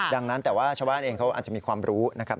ดังนั้นแต่ว่าชาวบ้านเองเขาอาจจะมีความรู้นะครับ